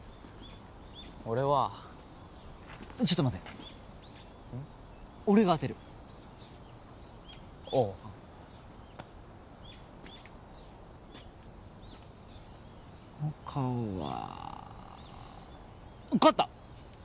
俺はちょっと待て俺が当てるおうその顔は勝った！